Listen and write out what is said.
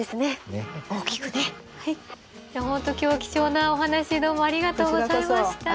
本当今日は貴重なお話どうもありがとうございました。